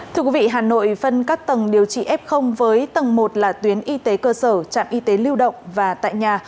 thưa quý vị hà nội phân các tầng điều trị f với tầng một là tuyến y tế cơ sở trạm y tế lưu động và tại nhà